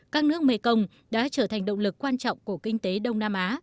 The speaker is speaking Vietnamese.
các nước mekong đã trở thành động lực quan trọng của kinh tế đông nam á